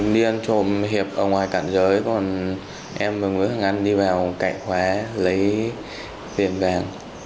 đi ăn trộm hiệp ở ngoài cản giới còn em và nguyễn hoàng anh đi vào cãi khóa lấy tiền vàng